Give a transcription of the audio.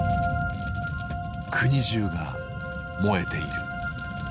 「国中が燃えている。